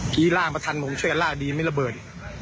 พี่ลากมาทันผมช่วยลากได้ไม่ระเบิด